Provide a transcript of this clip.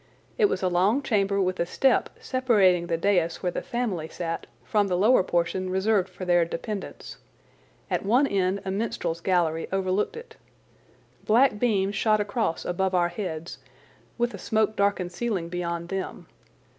It was a long chamber with a step separating the dais where the family sat from the lower portion reserved for their dependents. At one end a minstrel's gallery overlooked it. Black beams shot across above our heads, with a smoke darkened ceiling beyond them.